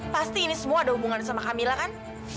pasti ini semua ada hubungan sama camilla kan